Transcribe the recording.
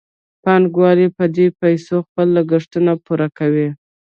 پانګوال په دې پیسو خپل لګښتونه پوره کوي